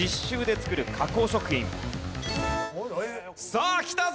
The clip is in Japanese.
さあきたぞ。